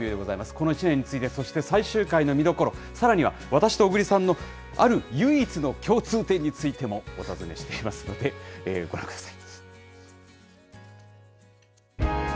この１年について、そして最終回の見どころ、さらには、私と小栗さんのある唯一の共通点についてもお尋ねしていますので、ご覧ください。